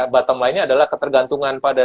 bottom line nya adalah ketergantungan pada